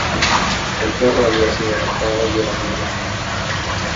El perro había sido adoptado y era muy bueno.